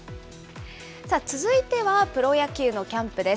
さあ、続いてはプロ野球のキャンプです。